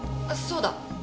あそうだ。